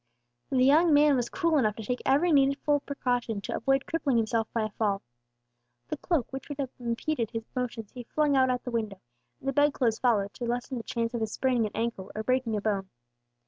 The young man was cool enough to take every needful precaution to avoid crippling himself by a fall. The cloak, which would have impeded his motions, he flung out at the window, and the bedclothes followed, to lessen the chance of his spraining an ankle, or breaking a bone.